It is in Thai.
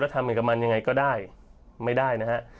แล้วทำเหมือนกับมันยังไงก็ได้ไม่ได้นะฮะ